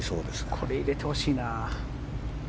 これを入れてほしいな。